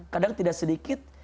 kadang tidak sedikit